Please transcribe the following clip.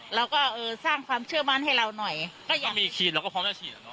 แล้วก็สร้างความเชื่อมันให้เราหน่อยก็อยากถ้ามีคีย์เราก็พร้อมจะฉีดหรอ